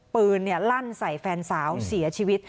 ปืนลั่นใส่แฟนสาวเสียชีวิต